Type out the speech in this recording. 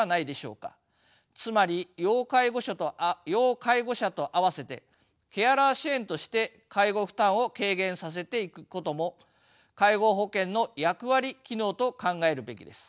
つまり要介護者と併せてケアラー支援として介護負担を軽減させていくことも介護保険の役割・機能と考えるべきです。